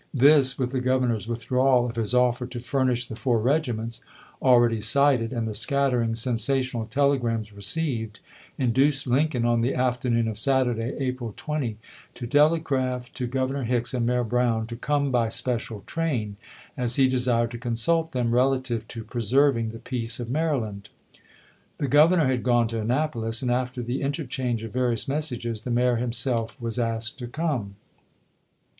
This, with the "m6.' "'' Governor's withdrawal of his offer to furnish the four regiments, already cited, and the scattering sensational telegrams received, induced Lincoln, on the afternoon of Saturday, April 20, to tele graph to Governor Hicks and Mayor Browu to come by special train, as he desired to consult them "relative to preserving the peace of Mary land." The Governor had gone to Annapolis, and after the interchange of various messages, the mayor himself was asked to come.